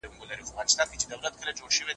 د وچې ډوډۍ ستونزه د عاجل حل غوښتنه کوي.